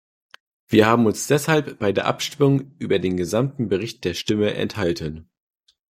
Wir haben uns deshalb bei der Abstimmung über den gesamten Bericht der Stimme enthalten.